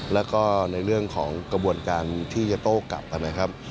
แล้วก็ในเรื่องของกระบวนการที่จะโต้กลับนะครับ